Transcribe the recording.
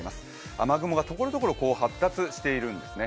雨雲がところどころ発達しているんですね。